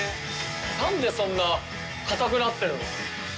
なんでそんなかたくなってるの？